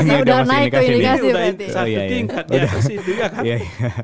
ini sudah naik ke indikasi berarti